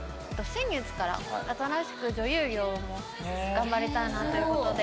先月から新しく女優業も頑張りたいなっていう事で。